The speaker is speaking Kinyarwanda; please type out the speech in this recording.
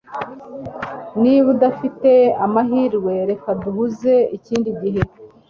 Niba dufite amahirwe, reka duhuze ikindi gihe.